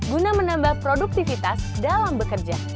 guna menambah produktivitas dalam bekerja